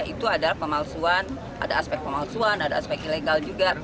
itu adalah pemalsuan ada aspek pemalsuan ada aspek ilegal juga